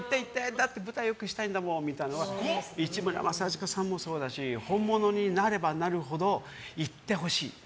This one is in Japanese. だって舞台良くしたいんだもんみたいなのは市村正親さんもそうだし本物になればなるほど言ってほしい。